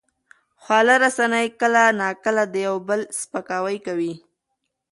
خواله رسنۍ کله ناکله د یو بل سپکاوی کوي.